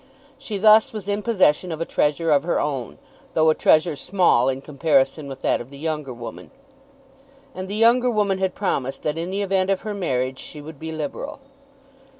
She thus was in possession of a treasure of her own, though a treasure small in comparison with that of the younger woman; and the younger woman had promised that in the event of her marriage she would be liberal.